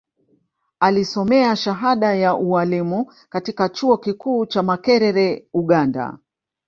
Alisomea shahada ya Ualimu katika Chuo Kikuu cha Makerere Uganda